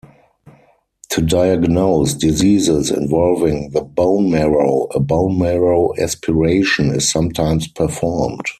To diagnose diseases involving the bone marrow, a bone marrow aspiration is sometimes performed.